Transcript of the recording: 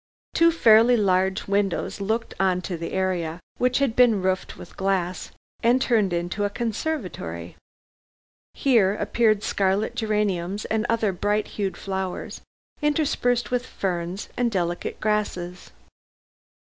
Two fairly large windows looked on to the area, which had been roofed with glass and turned into a conservatory. Here appeared scarlet geraniums and other bright hued flowers, interspersed with ferns and delicate grasses.